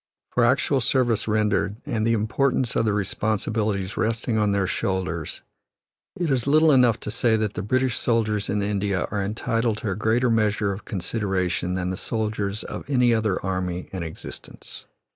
For actual service rendered, and the importance of the responsibilities resting on their shoulders, it is little enough to say that the British soldiers in India are entitled to a greater measure of consideration than the soldiers of any other army in existence.